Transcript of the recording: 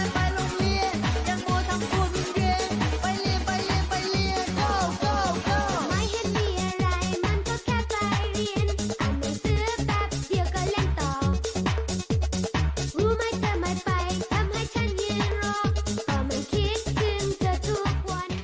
ไปโรงเรียนก็ไม่ไปไปทำไมก็ไปซ้าย